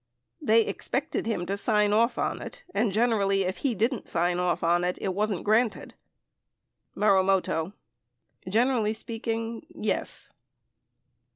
They expected him to sign off on it and generally if he didn't sign off on it, it wasn't granted. Marumoto. Generally speaking, yes.